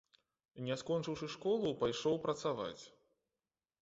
Не скончыўшы школу, пайшоў працаваць.